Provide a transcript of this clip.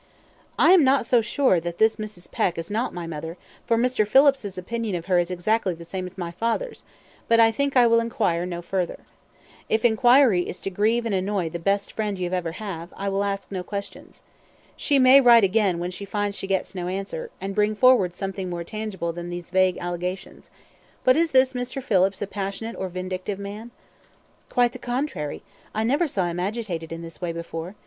"I am not so sure that this Mrs. Peck is not my mother, for Mr. Phillips's opinion of her is exactly the same as my father's; but I think I will inquire no further. If inquiry is to grieve and annoy the best friend you have ever had, I will ask no questions. She may write again when she finds she gets no answer, and bring forward something more tangible than these vague allegations. But is this Mr. Phillips a passionate or vindictive man?" "Quite the contrary. I never saw him agitated in this way before.